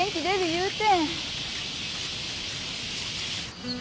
言うて。